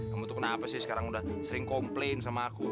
kamu tuh kenapa sih sekarang udah sering komplain sama aku